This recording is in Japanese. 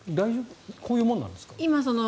こういうものなんですか？